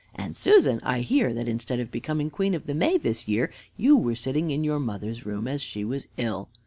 And, Susan, I hear that instead of becoming Queen of the May this year, you were sitting in your mother's room as she was ill.